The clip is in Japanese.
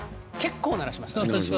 結構鳴らしました。